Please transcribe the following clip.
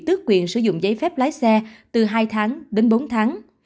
nghị định có quyền sử dụng giấy phép lái xe từ hai tháng đến bốn tháng